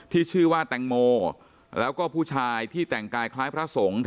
ที่ชื่อว่าแตงโมแล้วก็ผู้ชายที่แต่งกายคล้ายพระสงฆ์